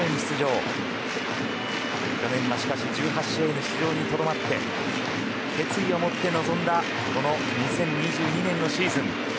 しかし去年は１８試合の出場にとどまり決意を持って臨んだ２０２２年のシーズン。